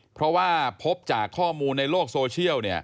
เพราะว่าพบจากข้อมูลในโลกโซเชียล